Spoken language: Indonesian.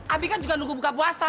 abi kan juga nunggu buka puasa